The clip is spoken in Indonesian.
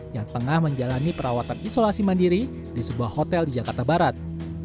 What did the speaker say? yang tengah menjalani perawatan isolasi mandiri di sebuah hotel di jakarta barat